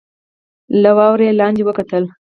له وره يې لاندې وکتل.